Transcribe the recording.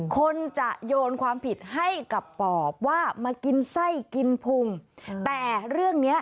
คนจะโยนความผิดให้กับปอบว่ามากินไส้กินพุ่ง